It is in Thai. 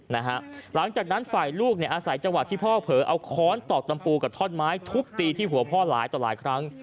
หลังจากนั้นฝ่ายลูกเนี่ยอาศัยจังหวะที่พ่อเผลอเอาค้อนตอกตำปูกับท่อนไม้ทุบตีที่หัวพ่อหลายต่อหลายครั้ง